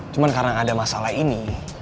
cuma karena ada masalah ini